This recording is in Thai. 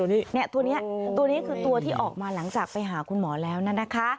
ตัวนี้ตัวนี้คือตัวที่ออกมาหลังจากไปหาคุณหมอแล้วนะคะ